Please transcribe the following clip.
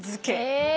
へえ！